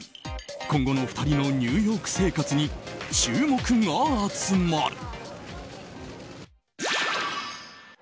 今後の２人のニューヨーク生活に注目が集まる。